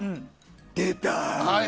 出た！